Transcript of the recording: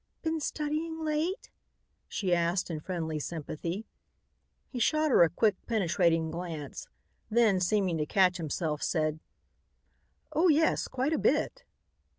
"Been studying late?" she asked in friendly sympathy. He shot her a quick, penetrating glance, then, seeming to catch himself, said, "Oh, yes, quite a bit."